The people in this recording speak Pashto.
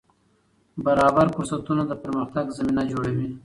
برابر فرصتونه د پرمختګ زمینه جوړوي.